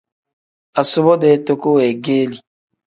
Asubo-dee toko weegeeli.